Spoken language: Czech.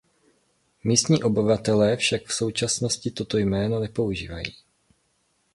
Místní obyvatelé však v současnosti toto jméno nepoužívají.